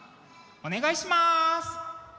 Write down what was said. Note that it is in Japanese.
お願いします！